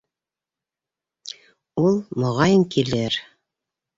Ул, моғайын, килер.